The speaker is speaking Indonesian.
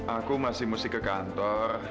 aku masih mesti ke kantor